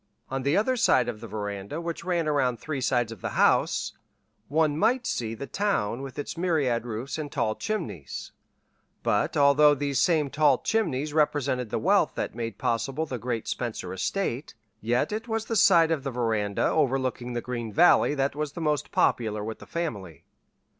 On the other side of the veranda which ran around three sides of the house, one might see the town with its myriad roofs and tall chimneys; but although these same tall chimneys represented the wealth that made possible the great Spencer estate, yet it was the side of the veranda overlooking the green valley that was the most popular with the family.